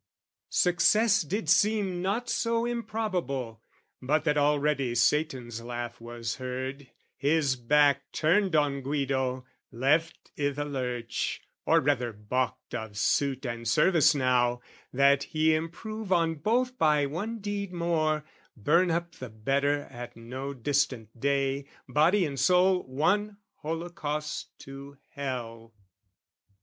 Success did seem not so improbable, But that already Satan's laugh was heard, His back turned on Guido left i' the lurch, Or rather, baulked of suit and service now, That he improve on both by one deed more, Burn up the better at no distant day, Body and soul one holocaust to hell.